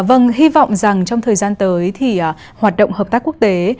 vâng hy vọng rằng trong thời gian tới thì hoạt động hợp tác quốc tế